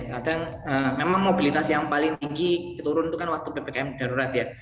kadang memang mobilitas yang paling tinggi turun itu kan waktu ppkm darurat ya